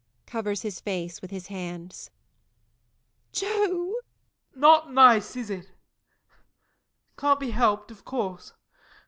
[Covers his face with his hands. MARY. Joe! JOE. Not nice, is it? Can't be helped, of course.